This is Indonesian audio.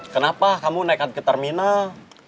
kenapa kamu naik ke terminal